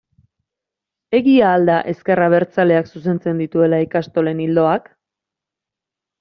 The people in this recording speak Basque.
Egia al da ezker abertzaleak zuzentzen dituela ikastolen ildoak?